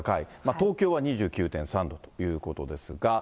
東京は２９．３度ということですが。